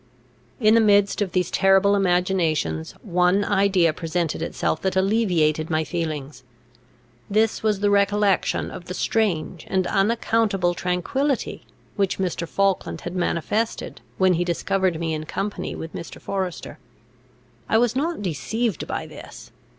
In the midst of these terrible imaginations, one idea presented itself that alleviated my feelings. This was the recollection of the strange and unaccountable tranquillity which Mr. Falkland had manifested, when he discovered me in company with Mr. Forester. I was not deceived by this.